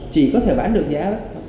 chỉ có thể bán được giá đó